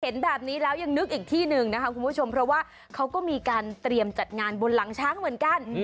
เห็นแบบนี้แล้วยังนึกอีกที่หนึ่งนะคะคุณผู้ชมเพราะว่าเขาก็มีการเตรียมจัดงานบนหลังช้างเหมือนกัน